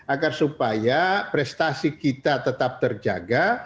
agar supaya prestasi kita tetap terjaga